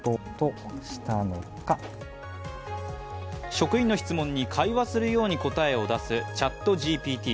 職員の質問に会話するように答えを出すＣｈａｔＧＰＴ。